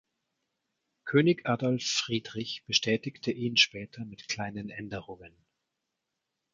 König Adolf Friedrich bestätigte ihn später mit kleinen Änderungen.